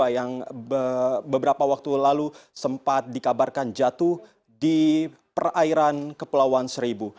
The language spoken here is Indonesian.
yang beberapa waktu lalu sempat dikabarkan jatuh di perairan kepulauan seribu